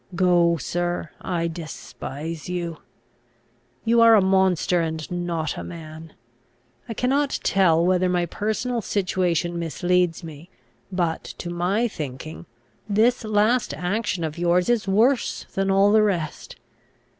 Go, sir; I despise you. You are a monster and not a man. I cannot tell whether my personal situation misleads me; but, to my thinking, this last action of yours is worse than all the rest.